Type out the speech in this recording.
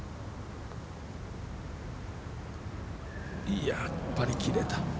いや、やっぱり切れた。